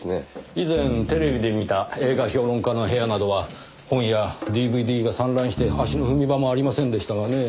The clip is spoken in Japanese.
以前テレビで見た映画評論家の部屋などは本やＤＶＤが散乱して足の踏み場もありませんでしたがねぇ。